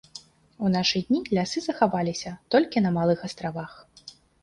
У нашы дні лясы захаваліся толькі на малых астравах.